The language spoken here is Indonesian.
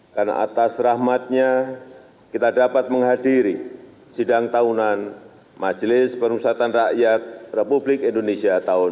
karena atas rahmatnya kita dapat menghadiri sidang tahunan majelis pemusatan rakyat republik indonesia tahun dua ribu delapan belas